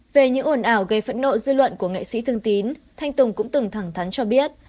về những ổn ảo gây phẫn nộ dư luận của nghệ sĩ thương tín thanh tùng cũng từng thẳng thắng cho biết